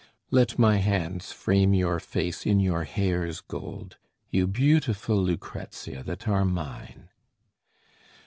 Let my hands frame your face in your hair's gold, You beautiful Lucrezia that are mine!